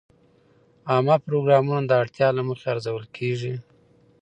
عامه پروګرامونه د اړتیا له مخې ارزول کېږي.